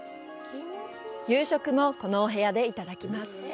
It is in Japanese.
夕食も、このお部屋でいただきます。